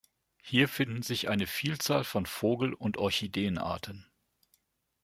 Hier finden sich eine Vielzahl von Vogel- und Orchideenarten.